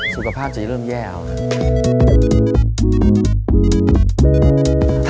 สุขภาพจะเริ่มแย่แล้วครับ